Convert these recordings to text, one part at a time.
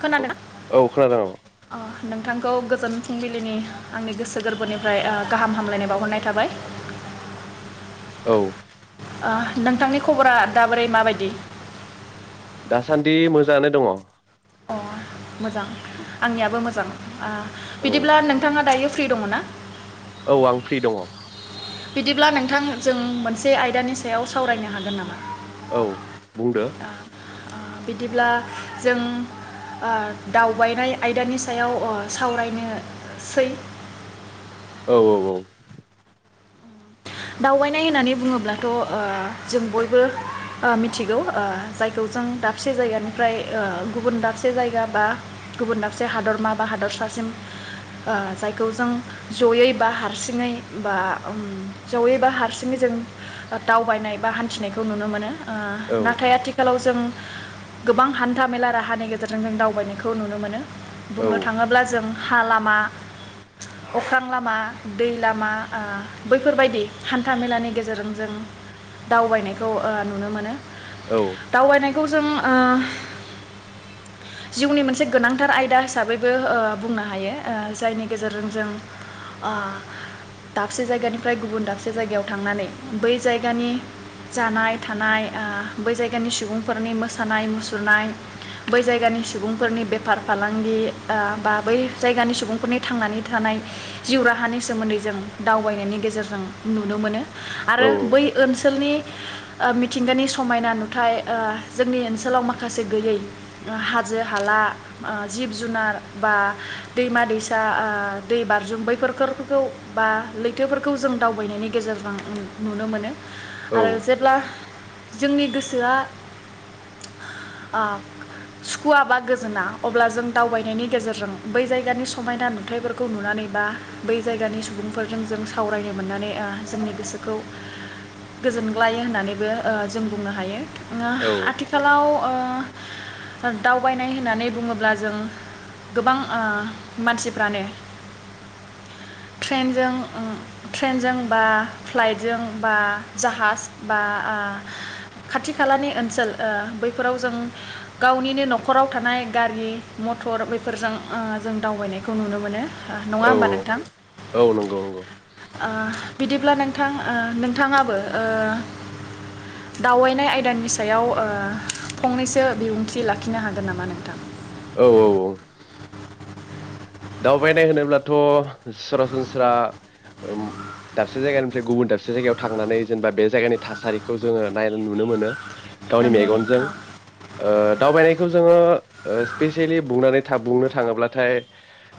खोनादों औ खोनादों औ। अ नोंथांखौ गोजोन फुंबिलिनि आंनि गोसो गोरबोनिफ्राय ओ गाहाम हामलायनाय बावहरनाय थाबाय। औ। ओ नोंथांनि खबरा दाबोरै माबायदि? दासान्दि मोजाङानो दङ। अ। मोजां आंनियाबो मोजां। ओ बिदिब्ला नोंथाङा दायो फ्रि दङ ना? औ आं फ्रि दङ। बिदिब्ला नोंथां जों मोनसे आयदानि सायाव सावरायनो हागोन नामा? औ बुंदो। ओ बिदिब्ला जों ओ दावबायनाय आयदानि सायाव अ सावरायनोसै। औ औ औ। दावबायनाय होननानै बुङोब्लाथ' ओ जों बयबो मिथिगौ ओ जायखौ जों दाबसे जायगानिफ्राय ओ गुबुन दाबसे जायगा बा गुबुन दाबसे हादरमा बा हादरसासिम ओ जायखौ जों जयै बा हारसिङै बा ओम जयै बा हारसिङै जों दावबायनाय बा हान्थिनायखौ नुनो मोनो। ओ औ नाथाय आथिखालाव जों गोबां हान्था मेला राहानि गेजेरजों जों दावबायनायखौ नुनो मोनो। औ बुंनो थाङोब्ला जों हा लामा अख्रां लामा दै लामा ओ बेफोरबायदि हान्था मेलानि गेजेरजों जों दावबायनायखौ ओ नुनो मोनो। औ दावबायनाय खौ जों ओ जिउनि मोनसे गोनांथार आयदा हिसाबैबो ओ बुंनो हायो ओ जायनि गेजेरजों जों ओ दाबसे जायगानि फ्राय गुबुन दाबसे जायगायाव थांनानै बै जायगानि जानाय थानाय ओ बै जायगानि सुबुंफोरनि मोसानाय मुसुरनाय बै जायगानि सुबुंफोरनि बेफार फालांगि ओ बा बै जायगानि सुबुंफोरनि थांनानै थानाय जिउ राहानि सोमोन्दै जों दावबायनायनि गेजे गेजेरजों नुनो मोनो। औ आरो बै ओनसोलनि ओ मिथिंगानि समायना नुथाय ओ जोंनि ओनसोलाव माखासे गैयै हाजो हाला ओ जिब जुनार बा दैमा दैसा ओ दै बारजुम बैफोरखौ बा खौ जों दावबायनायनि गेजेरजों नुनो मोनो आरो जेब्ला जोंनि गोसोआ ओ सुखुवा बा गोजोना अब्ला जों दावबायनायनि गेजेरजों बै जायगानि समायना नुथाइफोरखौ नुनानै बा बै जायगानि सुबुंफोरजों जों सावरायनो मोननानै ओ जोंनि गोसोखौ गोजोनग्लायो ओ होननानैबो जों बुंनो हायो। ओ आथिखालाव ओ दावबायनाय होननानै बुङोब्ला जों गोबां ओ मानसिफ्रानो ट्रेनजों ट्रेनजों बा फ्लाइटजों बा जाहाज बा ओ खाथि खालानि ओनसोल ओ बैफोराव जों गावनिनो न'खराव थानाय गारि मटर बैफोरजों ओ जों दावबायनायखौ नुनो मोनो। नङा औ होमबा नोंथां औ औ नंगौ नंगौ। ओ बिदिब्ला नोंथां ओ नोंथाङाबो ओ दावायनाय आयदानि सायाव फंनैसो बिबुंथि लाखिनो हागोन नामा नोंथां? औ औ औ दावबायनाय होनोब्लाथ सरासनस्रा ओम दाबसे जायगानिफ्राय गुबुन दाबसे जायगायाव थांनानै जेनेबा बे जायगानि थासारिखौ जोङो नायनो नुनो मोनो गावनि नंगौ मेगनजों नोंथां ओ दावबायनायखौ जोङो ओ स्पेसियेलि बुंनानै थाब बुंनो थाङोब्लाथाय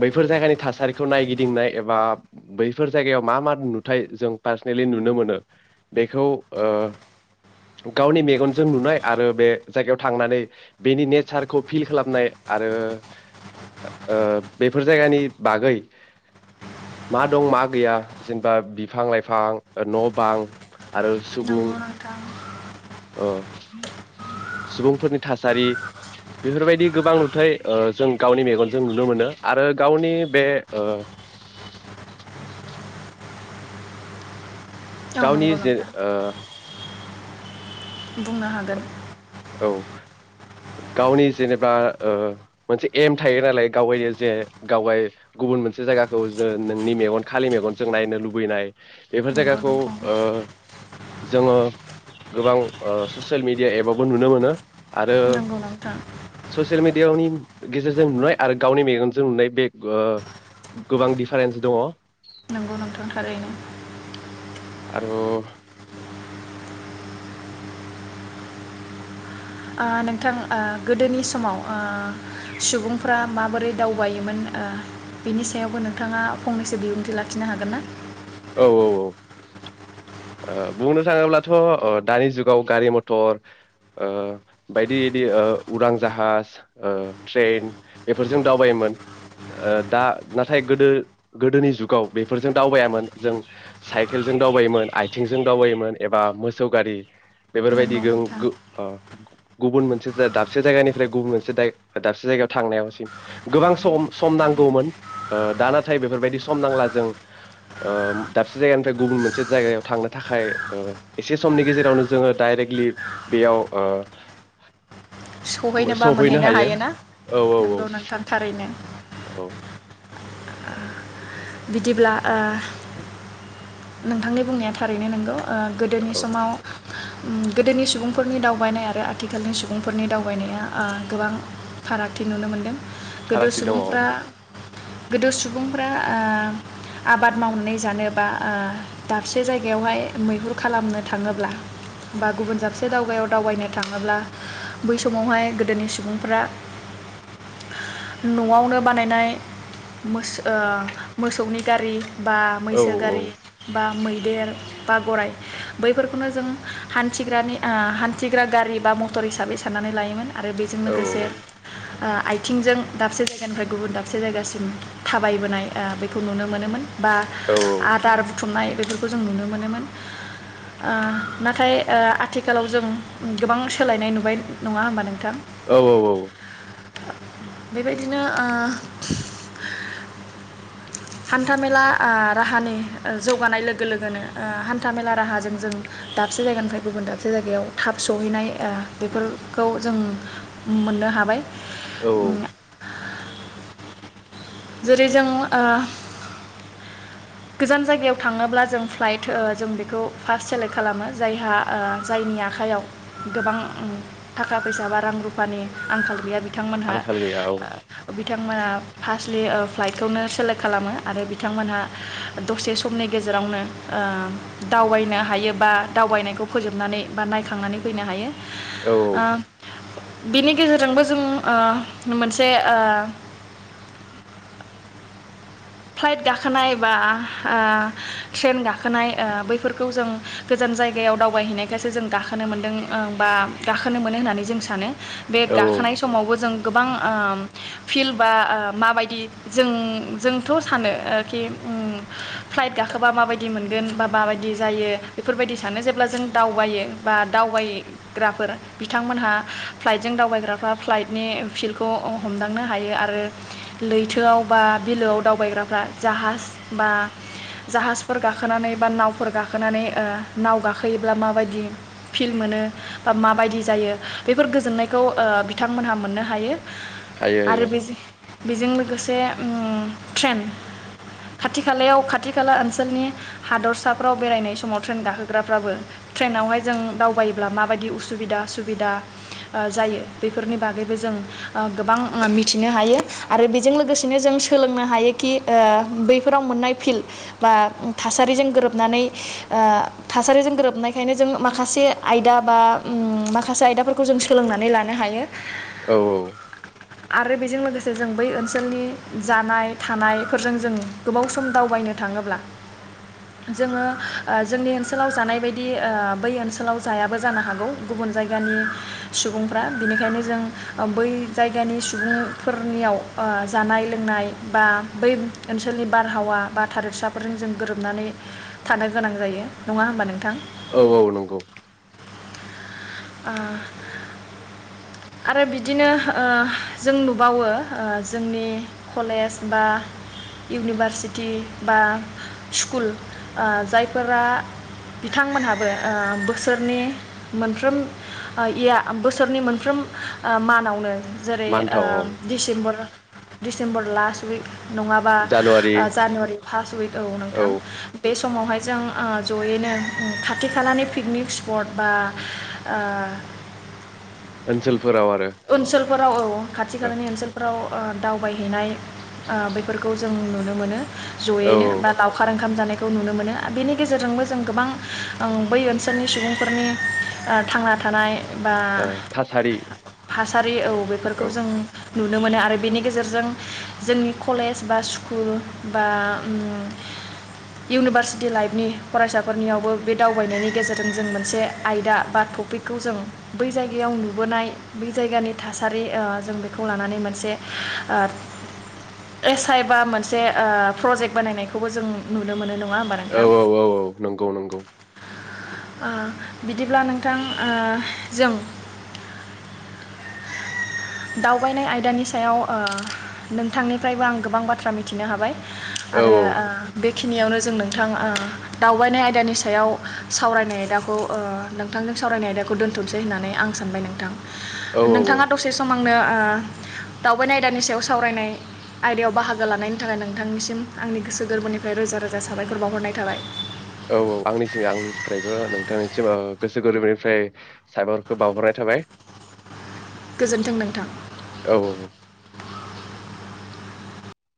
बैफोर जायगानि थासारिखौ नायगिदिंनाय एबा बैफोर जायगायाव मा मा नुथाय जों पार्सनेलि नुनो मोनो बेखौ ओ गावनि मेगनजों नुनाय आरो बे जायगायाव थांनानै बेनि नेचारखौ फिल खालामनाय आरो ओ बेफोर जायगानि बागै मा दं मा गैया जेनबा बिफां लाइफां न बां आरो सुबुं नंगौ नोंथां ओ सुबुंफोरनि थासारि बेफोरबायदि गोबां नुथाय ओ जों गावनि मेगन जों नुनो मोनो आरो गावनि बे ओ औ गावनि नंगौ जे नोंथां ओ बुंनो हागोन औ गावनि जेनेबा ओ मोनसे एम थायो नालाय गावायनो जे गावाय गुबुन मोनसे जायगाखौ जों नोंनि मेगन खालि मेगनजों नायनो लुबैनाय बेफोर नंगौ जायगाखौ नोंथां ओ जोङो गोबां ओ ससियेल मिडिया एबाव बो नुनो मोनो आरो नंगौ नोंथां [inaudible] सियेल मिडियावनि गेजेरजों नुनाय आरो गावनि मेगनजों नुनाय बे गो गोबां दिडिफारेन्स दङ नोंगौ नोंथां थारैनो आरो ओ ओ नोंथां गोदोनि समाव ओ सुबुंफ्रा माबोरै दावबायोमोन ओ बिनि सायावबो नोंथाङा फंनैसो बिबुंथि लाखिनो हागोन ना औ औ औ ओ बुंनो थाङोब्लाथ ओ दानि जुगाव गारि मथर ओ बायदि इदि ओ उरां जाहाज ओ ट्रेन बेफोरजों दावबायोमोन ओ दा नाथाय गोदो-गोदोनि जुगाव बेफोरजों दावबायामोन जों साइकेलजों दावबायोमोन आइथिंजों दावबायोमोन एबा मोसौ गारि नंगौ बेफोरबायदिजों नोंथां गो ओ गुबुन मोनसे दाबसे जायगानिफ्राय गुबुन मोनसे दाय-दाबसे जायगायाव थांनायावसिम गोबां सम-सम नांगौमोन ओ दा नाथाय बेफोरबायदि सम नांला जों ओम दाबसे जायगानिफ्राय गुबुन मोनसे जायगायाव थांनो थाखाय ओ एसे समनि गेजेरावनो जोङो डाइरेक्टलि बेयाव ओ सहैनोबा सौहैनो मोनहैनो हायो हायोना औ औ औ नंगौ नोंथां थारैनो औ बिदिब्ला ओ नोंथांनि बुंनाया थारैनो नोंगौ ओ गोदोनि औ समाव उम गोदोनि सुबुंफोरनि दावबायनाय आरो आथिखालनि सुबुंफोरनि दावबायनाया आ गोबां फारागथि नुनो मोनदों गोदो फारागथि दङ औ सुबुंफ्रा गोदो सुबुंफ्रा ओ आबाद मावनानै जानोबा ओ दाबसे जायगायावहाय मैहुर खालामनो थाङोब्ला बा गुबुन दाबसे दावगायाव दावबायनो थाङोब्ला बै समावहाय गोदोनि सुबुंफ्रा नआवनो बानायनाय मोस ओ मोसौनि गारि बा औ मैसो गारि औ बा मै देर बा गराइ बैफोरखौनो जों हान्थिग्रानि ओ हान्थिग्रा गारि बा मटर हिसाबै साननानै लायोमोन आरो बेजों लोगोसे औ ओ आइथिंजों दाबसे जायगानिफ्राय गुबुन दाबसे जायगासिम थाबायबोनाय ओ बेखौ नुनो मोनोमोन बा औ आदार बुथुमनाय बेफोरखौ जों नुनो मोनोमोन ओ नाथाय ओ आथिखालाव जों गोबां सोलायनाय नुबाय नङा होमबा नोंथां औ औ औ बेबायदिनो ओ हान्थाामेला आ राहानि जौगानाय लोगो लोगोनो ओ हान्था मेला राहाजों जों दाबसे जायगानिफ्राय गुबुन दाबसे जायगायाव थाब सहैनाय ओ बेफोरखौ जों मोननो हाबाय औ जेरै जों ओ गोजान जायगायाव थाङोब्ला जों फ्लाइट जों बेखौ फार्स्ट सेलेक्ट खालामो जायहा जायनि आखाइयाव गोबां थाखा फैसा बा रां रुफानि आंखाल गैया बिथांमोनहा आंखाल गैया औ ओ बिथांमोनहा फास्लि ओ फ्लाइटखौनो सेला खालामो आरो बिथांमोनहा दसे समनि गेजेरावनो ओ दावबायनो हायो बा दावबायनायखौ फोजोबनानै बा नायखांनानै फैनो हायो औ बिनि गेजेरजोंबो जों ओ मोनसे ओ फ्लाइट गाखोनाय बा ओ ट्रेन गाखोनाय ओ बैफोरखौ जों गोजान जायगायाव दावबायहैनायखायसो जों गाखोनो मोनदों बा गाखोनो मोनो होननानै जों सानो बे गाखोनाय औ समावबो जों गोबां उम फिल्दबा ओ माबायदि जों जों थ सानो ओ कि फ्लाइट गाखोबा माबायदि मोनगोन बा माबायदि जायो बेफोरबायदि सानो जेब्ला जों दावबायो बा दावबायग्राफोर बिथांमोनहा फ्लाइटजों दावबायग्राफ्रा फ्लाइटनि फिल्खौ हमदांनो हायो आरो लैथोआव बा बिलोआव दावबायग्राफ्रा जाहाज बा जाहाजफोर गाखोनानै बा नावफोर गाखोनानै ओ नाव गाखोयोब्ला माबायदि फिल मोनो बा माबायदि जायो बेफोर गोजोननायखौ ओ बिथांमोनहा मोननो हायो हायो आरो हायो बेजों बेजों लोगो गोसे उम ट्रेन खाथि खालायाव खाथि खाला ओनसोलनि हादरसाफ्राव बेरायनाय समाव ट्रेन गाखोगा्फा्बो ट्रेनावहाय जों दावबायोब्ला माबायदि उसुबिदा सुबिदा जायो बेफोरनि बागैबो जों गोबां मिथिनो हायो आरो बेजों लोगोसेनो जों सोलोंनो हायोखि बैफोराव मोननाय फिल्ड बा थासारिजों गोरोबनानै थासारिजों गोरोबनायखायनो जों माखासे आयदा बा माखासे आयदाफोरखौ जों सोलोंनानै लानो हायो औ औ आरो बेजों लोगोसे जों बै ओनसोलनि जानाय थानायफोरजों जों गोबाव सम दावबायनो थाङोब्ला जोङो जोंनि ओनसोलाव जानाय बायदि बै ओनसोलाव जायाबो जानो हागौ गुबुन जायगानि सुबुंफ्रा बिनिखायनो जों बै जायगानि सुबुंफोरनियाव जानाय लोंनाय बा बै ओनसोलनि बारहावा बा थारोबसाफोरजों जों गोरोबनानै थानो गोनां जायो नङा होमबा नोंथां औ औ नंगौ ओ आरो बिदिनो‌ ओ जों नुबावो जोंनि कलेज बा इउनिभारसिटि बा स्कुल जायफोरा बिथांमोनहाबो बोसोरनि मोनफ्रोम ओ इया बोसोरनि मोनफ्रोम मानावनो जेरै ओ मान्थाव औ डिसेम्बर दिसेम्बर लास्ट विक नङाबा जानुवारि जानुवारि फार्स्ट उइक औ नोंथां बे समावहाय जों अ जयैनो खाथि खालानि पिकनिक स्पट बा ओ ओनसोल फोराव आरो फोराव औ औ खाथि औ खालानि ओनसोलफ्राव दावबायहैनाय ओ बेफोरखौ जों नुनो मोनो औ जयैनो औ बा ओ दावउखार ओंखाम जानाय खौ नुनो मोनो बेनि गेजेरजोंबो जों गोबां बै ओनसोलनि सुबुंफोरनि थांना थानाय ओ थासारि फासारि औ औ बेफोरखौ जों नुनो मोनो आरो बेनि गेजेरजों जोंनि कलेज बा स्कुल बा इउनिभारसिटि लाइफनि फरायसाफोरनियावबो बे दावबायनायनि गेजेरजों जों मोनसे आयदा बा टपिकखौ जों बै जायगायाव नुबोनाय बे जायगानि थासारि जों बेखौ लानानै मोनसे एस आइ बा मोनसे प्रजेक्ट बानायनायखौबो जों नुनो मोनो नो औ औ औ औ नंगौ नंगौ। ओ बिदिब्ला नोंथां ओ जों दावबायनाय आयदानि सायाव ओ नोंथांनिफ्रायबो आं गोबां बाथ्रा मिथिनो हाबाय। औ आरो ओ बे खिनियावनो जों नोंथां ओ दावबायनाय आयदानि सायाव सावरायनाय आयदाखौ ओ नोंथांजों सावरायनाय आयदाखौ दोथनिसै होननानै आं सानबाय नोंथां। औ औ नोंथाङा दसे समा आंनो ओ दावबायनाय आयदानि सायाव सावरायनाय आयदायाव बाहागो लानायनि थाखाय नोंथांनिसिम आंनि गोसो गोरबोनिफ्राय रोजा रोजा साबायखर बावहरनाय थाबाय। औ औ आंनिसि आंनिफ्रायबो नोंथांनिसिम ओ गोसो गोरोबनिफ्राय साबायखरखो बावहरनाय थाबाय। गोजोन्थों नोंथां। औ औ औ